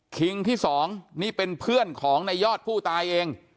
คิงที่๒นี่เป็นเพื่อนของนายยอดผู้ตายเอง